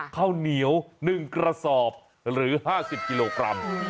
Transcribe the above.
ข้าวเหนียว๑กระสอบหรือ๕๐กิโลกรัม